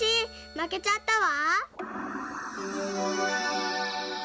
まけちゃったわ。